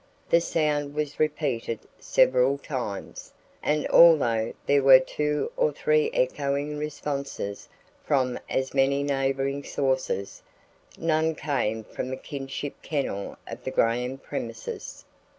The sound was repeated several times, and although there were two or three echoing responses from as many neighboring sources, none came from a kinship kennel of the Graham premises.